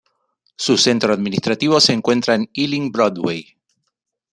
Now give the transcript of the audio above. Su centro administrativo se encuentra en Ealing Broadway.